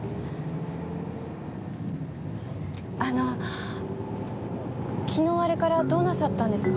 あの昨日あれからどうなさったんですか？